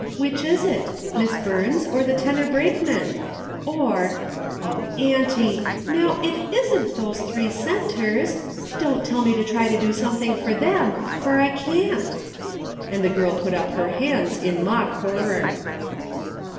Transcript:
Which is it? Miss Burns or the tenor brakeman? Or — O auntie^ now it isn't those three centers ! Don't tell me to try to do something for them, for I can't," and the girl put up her hands in mock horror.